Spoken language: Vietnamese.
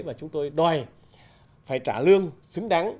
và chúng tôi đòi phải trả lương xứng đáng